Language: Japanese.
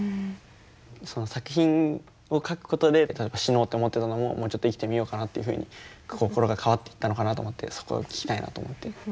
その作品を描くことで例えば死のうと思ってたのももうちょっと生きてみようかなっていうふうに心が変わっていったのかなと思ってそこを聞きたいなと思って。